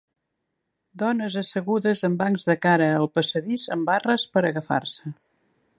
Dones assegudes en bancs de cara al passadís amb barres per agafar-se.